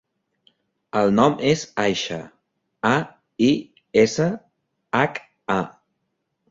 El nom és Aisha: a, i, essa, hac, a.